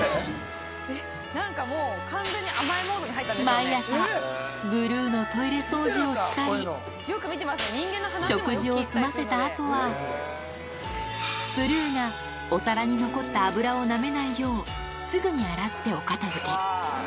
毎朝、ブルーのトイレ掃除をしたり、食事を済ませたあとは、ブルーがお皿に残った油をなめないよう、すぐに洗って、お片づけ。